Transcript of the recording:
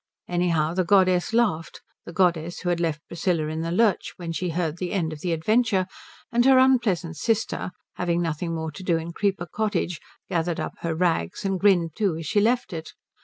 Anyhow the goddess laughed, the goddess who had left Priscilla in the lurch, when she heard the end of the adventure; and her unpleasant sister, having nothing more to do in Creeper Cottage, gathered up her rags and grinned too as she left it.